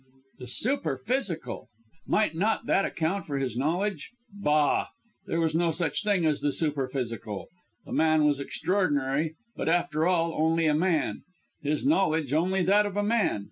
The superphysical! Might not that account for his knowledge? Bah! There was no such thing as the superphysical. The man was extraordinary but, after all, only a man his knowledge only that of a man.